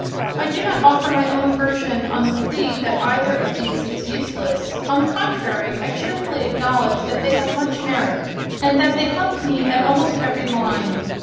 I do not offer my own version on the plea that either of these is useless; on the contrary, I cheerfully acknowledge that they have much merit, and that they helped me at almost every line.